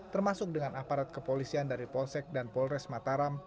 termasuk dengan aparat kepolisian dari polsek dan polres mataram